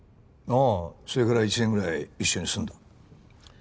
ああそれから一年ぐらい一緒に住んだ。